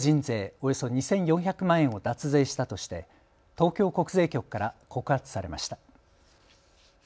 およそ２４００万円を脱税したとして東京国税局から告発されました。